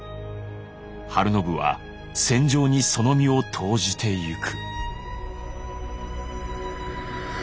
晴信は戦場にその身を投じてゆく。